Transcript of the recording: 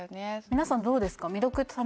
皆さんどうですか？